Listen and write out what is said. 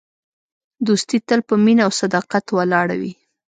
دوستي تل په مینه او صداقت ولاړه وي.